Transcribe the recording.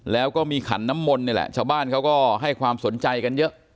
แล้วก็มีขันน้ำมนต์นี่แหละชาวบ้านเขาก็ให้ความสนใจกันเยอะ